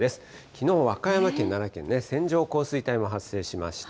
きのう和歌山県、奈良県、線状降水帯も発生しました。